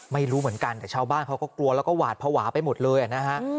ไม่รู้เหมือนกันแต่ชาวบ้านเขาก็กลัวแล้วก็หวาดภาวะไปหมดเลยนะฮะ